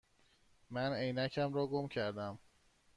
من عینکم را گم کرده ام.